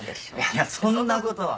いやそんなことは。